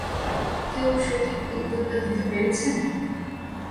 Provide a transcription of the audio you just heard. কেউ সঠিক উত্তরটা দিতে পেরেছেন?